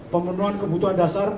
pemenuhan kebutuhan dasar